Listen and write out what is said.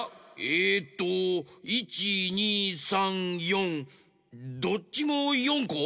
えっと１２３４どっちも４こ？